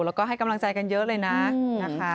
แล้วก็ให้กำลังใจกันเยอะเลยนะนะคะ